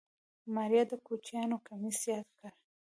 ماريا د کوچيانو کميس ياد کړ.